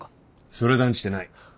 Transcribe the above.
それは断じてない。